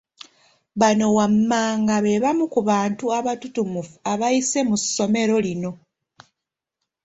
Bano wammanga be bamu ku bantu abatutumufu abayise mu ssomero lino